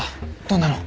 どうなの？